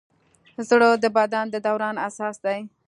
زړه د بدن د دوران اساس دی.